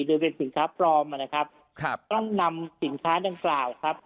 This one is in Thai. หรือเป็นสินค้าพรอมนะครับต้องนำสินค้าดังกล่าวครับ